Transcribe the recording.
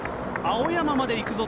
青山まで行くぞ！